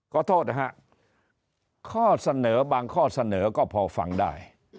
ขอโทษนะฮะข้อเสนอบางข้อเสนอก็พอฟังได้